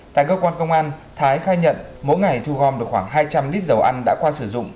tại cơ quan công an thái khai nhận mỗi ngày thu gom được khoảng hai trăm linh lít dầu ăn đã qua sử dụng